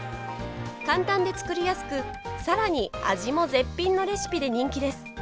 簡単で作りやすくさらに味も絶品のレシピで人気です。